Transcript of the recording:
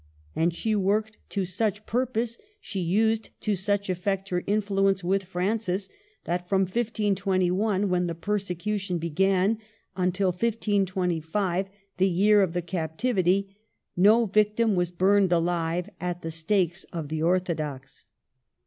And she worked to such purpose, she used to such effect her influence with Fran cis, that from 1521, when the persecution began, until 1525, the year of the captivity, no victim was burned alive at the stakes of the ortho dox.